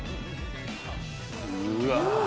うわ。